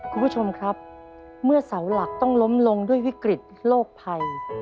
คุณผู้ชมครับเมื่อเสาหลักต้องล้มลงด้วยวิกฤตโรคภัย